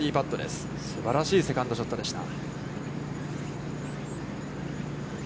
すばらしいセカンドショットでした。